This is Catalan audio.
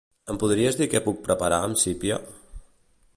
Em podries dir què puc preparar amb sípia?